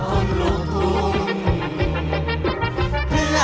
เพื่อพลังสะท้าของคนลูกทุก